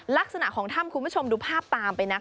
ลักษณะของถ้ำคุณผู้ชมดูภาพตามไปนะคะ